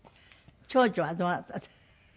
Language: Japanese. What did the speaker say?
長女はどなたで？